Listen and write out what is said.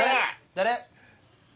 誰？